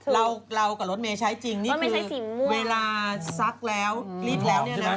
เรากับรถเมย์ใช้จริงนี่เวลาซักแล้วรีดแล้วเนี่ยนะ